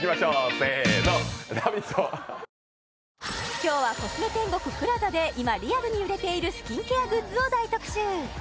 今日はコスメ天国ＰＬＡＺＡで今リアルに売れているスキンケアグッズを大特集